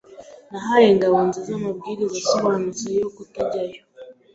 Nahaye Ngabonziza amabwiriza asobanutse yo kutajyayo.